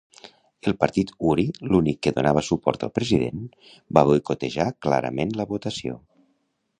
El partit Uri, l'únic que donava suport al president, va boicotejar clarament la votació.